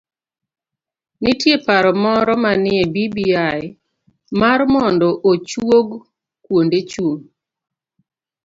Nitie paro moro manie bbi mar mondo ochuog kuonde chung'